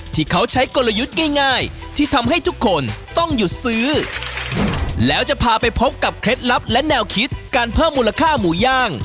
ที่เขาใช้กลยุทธ์ง่ายที่ทำให้ทุกคนต้องหยุดซื้อแล้วจะพาไปพบกับเคล็ดลับและแนวคิดการเพิ่มมูลค่าหมูย่าง